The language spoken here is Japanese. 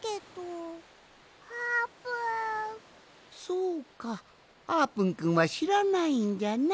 そうかあーぷんくんはしらないんじゃな。